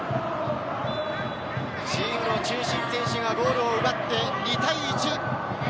チームの中心選手がゴールを奪って、２対１。